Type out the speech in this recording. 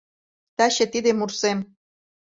Таче тиде мурсем